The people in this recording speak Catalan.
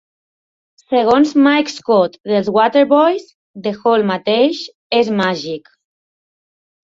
Segons Mike Scott dels Waterboys: The Hall mateix és màgic.